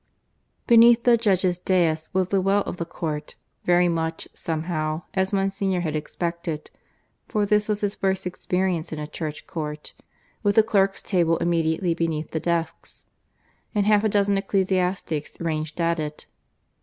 Beneath the judges' dais was the well of the court, very much, somehow, as Monsignor had expected (for this was his first experience in a Church court), with the clerks' table immediately beneath the desks, and half a dozen ecclesiastics ranged at it.